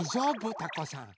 たこさん。